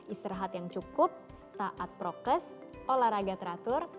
istirahat yang cukup taat prokes olahraga teratur